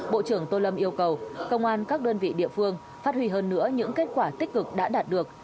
bộ trưởng tô lâm yêu cầu công an các đơn vị địa phương phát huy hơn nữa những kết quả tích cực đã đạt được